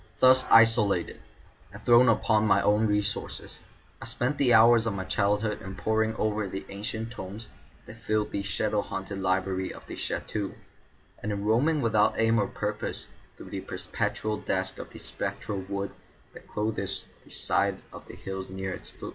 Thus isolated, and thrown upon my own resources, I spent the hours of my childhood in poring over the ancient tomes that filled the shadow haunted library of the chateau, and in roaming without aim or purpose through the perpetual dusk of the spectral wood that clothes the sides of the hill near its foot.